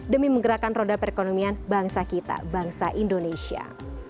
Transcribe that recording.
demi menggerakkan roda perekonomian bangsa kita bangsa indonesia